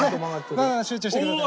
集中してください。